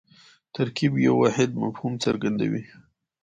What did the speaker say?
ترکیب یو واحد مفهوم څرګندوي.